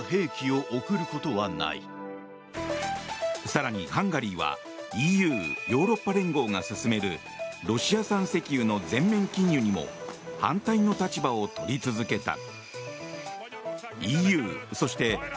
更に、ハンガリーはＥＵ・ヨーロッパ連合が進めるロシア産石油の全面禁輸にも反対の立場を取り続けた。